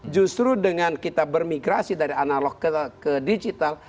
justru dengan kita bermigrasi dari analog ke digital